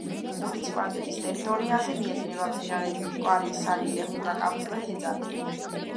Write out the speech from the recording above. მუნიციპალიტეტის ტერიტორიაზე მიედინება მდინარეები მტკვარი, ქსანი, ლეხურა, კავთურა, თეძამი.